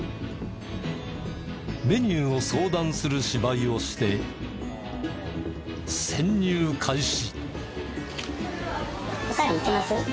メニューを相談する芝居をして潜入開始。